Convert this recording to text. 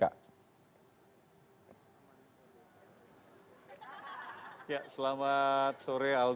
ya selamat sore